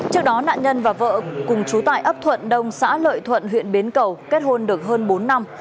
trước đó nạn nhân và vợ cùng chú tại ấp thuận đông xã lợi thuận huyện bến cầu kết hôn được hơn bốn năm